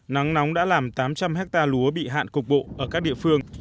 nắng nóng đã làm tám trăm linh hectare lúa bị hạn cục bộ ở các địa phương